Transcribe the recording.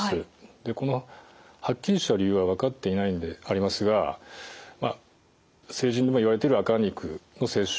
このはっきりした理由は分かっていないんでありますが成人でもいわれている赤肉の摂取